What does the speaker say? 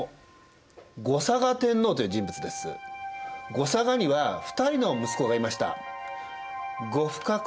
後嵯峨には２人の息子がいました。